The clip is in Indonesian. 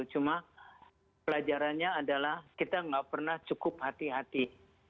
cuma pelajarannya adalah kita nggak pernah cukup hati hati